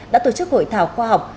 đã tổ chức hội thảo khoa học